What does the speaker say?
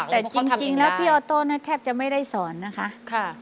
เพราะเขาทำอีกแล้วแต่จริงแล้วพี่ออโต้แทบจะไม่ได้สอนนะคะ